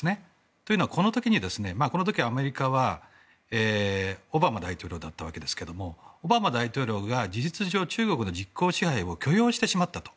というのはこの時、アメリカはオバマ大統領だったんですがオバマ大統領が事実上中国の実効支配を許容してしまったと。